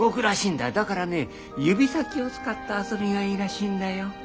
だからね指先を使った遊びがいいらしいんだよ。